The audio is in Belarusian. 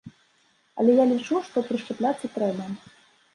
Але я лічу, што прышчапляцца трэба.